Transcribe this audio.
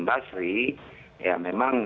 basri ya memang